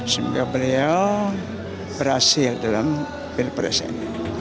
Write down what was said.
semoga beliau berhasil dalam berpresiden